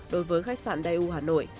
đối với khách sạn daewoo hà nội